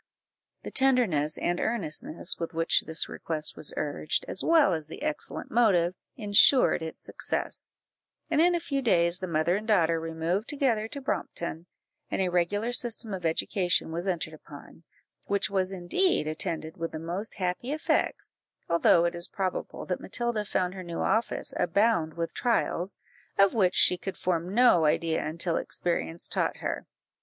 The tenderness and earnestness with which this request was urged, as well as the excellent motive, ensured its success; and in a few days the mother and daughter removed together to Brompton, and a regular system of education was entered upon, which was indeed attended with the most happy effects, although it is probable that Matilda found her new office abound with trials, of which she could form no idea until experience taught her.